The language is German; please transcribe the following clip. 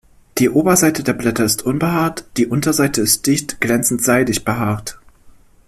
Die Oberseite der Blätter ist unbehaart, die Unterseite ist dicht glänzend-seidig behaart.